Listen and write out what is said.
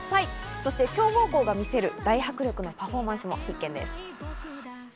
そして強豪校が見せる大迫力のパフォーマンスも必見です。